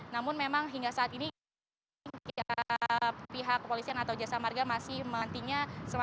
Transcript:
namun memang hingga saat ini pihak kepolisian atau jasa marga masih menantinya